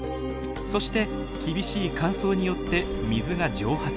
そして厳しい乾燥によって水が蒸発。